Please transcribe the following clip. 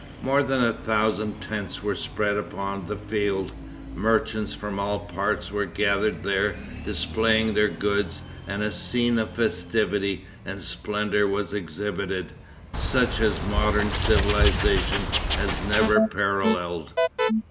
More than a thousand tents were spread upon the field. Merchants from all parts were gathered there displaying their goods, and a scene of festivity and splendor was exhibited, such as modern civilization has never paralleled.